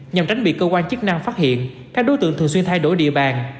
nhằm tránh bị cơ quan chức năng phát hiện các đối tượng thường xuyên thay đổi địa bàn